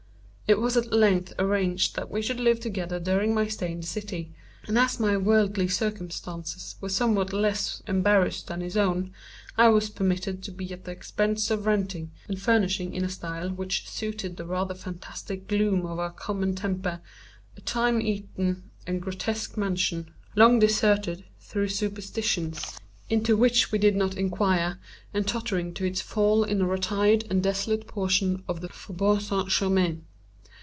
It was at length arranged that we should live together during my stay in the city; and as my worldly circumstances were somewhat less embarrassed than his own, I was permitted to be at the expense of renting, and furnishing in a style which suited the rather fantastic gloom of our common temper, a time eaten and grotesque mansion, long deserted through superstitions into which we did not inquire, and tottering to its fall in a retired and desolate portion of the Faubourg St. Germain.